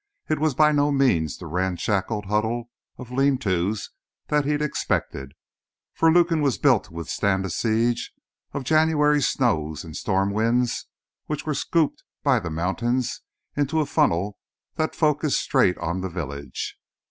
It was by no means the ramshackle huddle of lean to's that he had expected, for Lukin was built to withstand a siege of January snows and storm winds which were scooped by the mountains into a funnel that focused straight on the village.